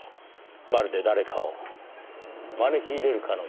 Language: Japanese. まるで誰かを招き入れるかのように。